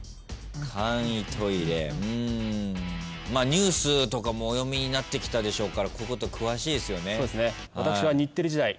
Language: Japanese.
ニュースとかもお読みになってきたでしょうからこういうこと詳しいですよね？